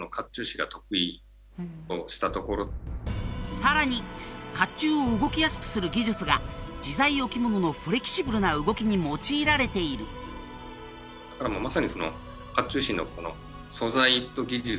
さらに甲冑を動きやすくする技術が自在置物のフレキシブルな動きに用いられているとそういうことになります